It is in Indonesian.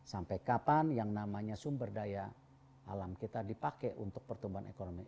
sampai kapan yang namanya sumber daya alam kita dipakai untuk pertumbuhan ekonomi